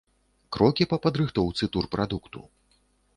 Крокі па падрыхтоўцы турпрадукту.